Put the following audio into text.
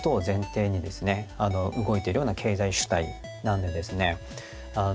動いてるような経済主体なんでですね